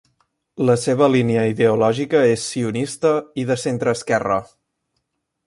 La seva línia ideològica és sionista i de centreesquerra.